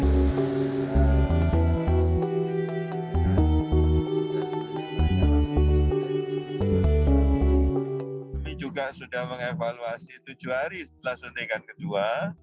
kami juga sudah mengevaluasi tujuh hari setelah suntikan kedua